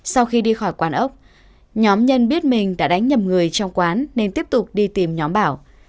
sau khi đi khỏi quán ốc nhóm nhân biết mình đã đánh nhầm người trong quán nên tiếp tục đi tìm nhóm bảo